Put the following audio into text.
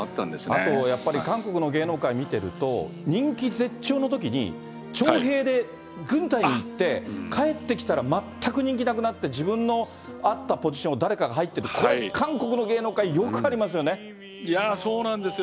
あとやっぱり、韓国の芸能界見てると、人気絶頂のときに、徴兵で軍隊に行って、帰ってきたら、全く人気なくなって、自分のあったポジションに誰かが入ってる、これ、韓国の芸能界、そうなんですよ。